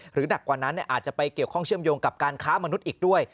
หนักกว่านั้นอาจจะไปเกี่ยวข้องเชื่อมโยงกับการค้ามนุษย์อีกด้วย